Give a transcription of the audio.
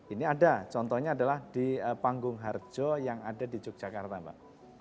ini ada contohnya adalah di panggung harjo yang ada di yogyakarta mbak